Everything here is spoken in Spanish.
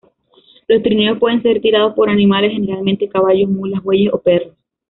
Los trineos pueden ser tirados por animales, generalmente, caballos, mulas, bueyes o perros.